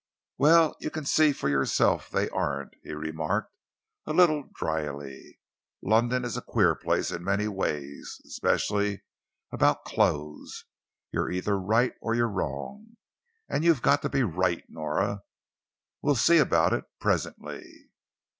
"Well, you can see for yourself they aren't," he remarked, a little drily. "London is a queer place in many ways, especially about clothes. You're either right or you're wrong, and you've got to be right, Nora. We'll see about it presently."